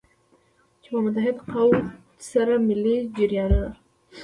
چې په متحد قوت سره ملي جریانونه.